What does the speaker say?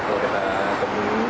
atau kita kembali